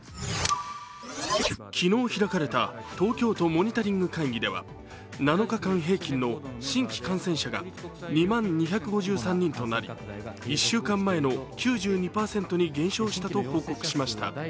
昨日開かれた東京都モニタリング会議では７日間平均の新規感染者が２万２５３人となり、１週間前の９２％に減少したと報告しました。